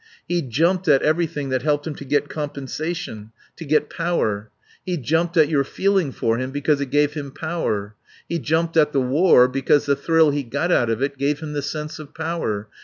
He jumped at everything that helped him to get compensation, to get power. He jumped at your feeling for him because it gave him power. He jumped at the war because the thrill he got out of it gave him the sense of power.